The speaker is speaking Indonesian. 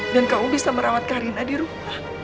dan kamu bisa merawat karina di rumah